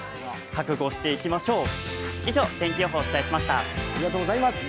覚悟していきましょう。